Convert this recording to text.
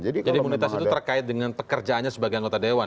jadi imunitas itu terkait dengan pekerjaannya sebagai anggota dewan